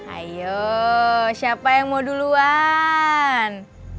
ayo siapa yang mau duluan